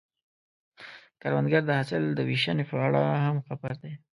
کروندګر د حاصل د ویشنې په اړه هم خبر دی